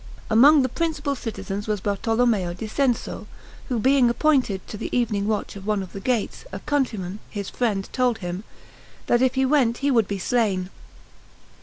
Among the principal citizens was Bartolomeo di Senso, who being appointed to the evening watch of one of the gates, a countryman, his friend, told him, that if he went he would be slain.